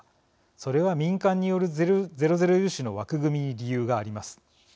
それは民間によるゼロゼロ融資の枠組みに理由があります。